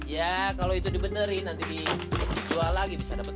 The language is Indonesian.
ya kalau itu dibenerin nanti dijual lagi bisa dapat